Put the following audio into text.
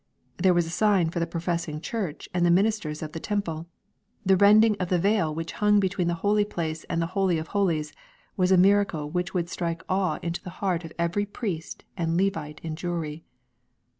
— There was a sign for the professing Church and the ministers of the temple. The rending of the veil which hung between the holy place and the holy of holies, was a miracle which would strike awe into the heart of every priest and Levite in Jewry.